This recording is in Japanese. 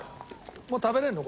もう食べれるの？